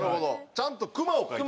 ちゃんとクマを描いてる。